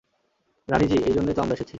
রানি-জি, এইজন্যই তো আমরা এসেছি।